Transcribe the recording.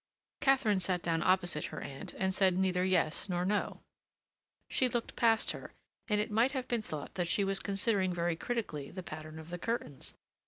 Katharine sat down opposite her aunt and said neither yes nor no. She looked past her, and it might have been thought that she was considering very critically the pattern of the curtains.